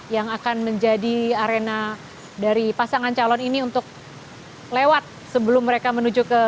yang akan menjadi arena dari pasangan calon ini untuk lewat sebelum mereka menuju ke